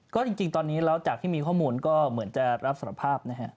ก็จริงตอนนี้แล้วจากที่มีข้อมูลก็เหมือนจะรับสารภาพนะฮะ